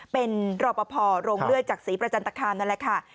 เป็นรอบพอลงเลื่อยจักษีประจันตคามนั่นแหละค่ะ